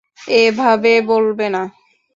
এভাবে বলবে না।